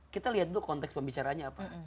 kita lihat dulu konteks pembicaranya apa